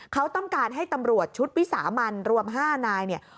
เขาต้องการให้ตำรวจชุดวิสามันรวม๕นายเนี่ย